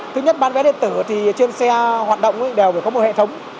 thứ nhất bán vé điện tử thì trên xe hoạt động đều phải có một hệ thống